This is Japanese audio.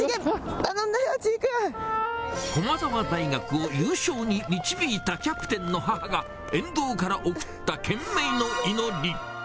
頼んだよ、チー君。駒澤大学を優勝に導いたキャプテンの母が、沿道から送った懸命の祈り。